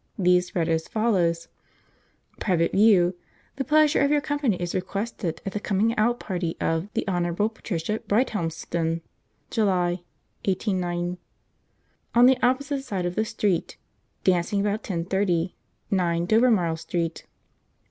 These read as follows: Private View The pleasure of your company is requested at the coming out party of The Hon. Patricia Brighthelmston July 189 On the opposite side of the street. Dancing about 10 30. 9 Dovermarle Street.